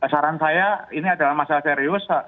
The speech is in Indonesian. saran saya ini adalah masalah serius